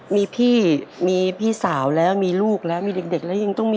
พี่ก็ต้องเป็นภาระของน้องของแม่อีกอย่างหนึ่ง